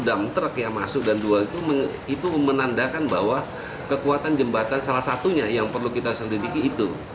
dam truk yang masuk dan dua itu menandakan bahwa kekuatan jembatan salah satunya yang perlu kita selidiki itu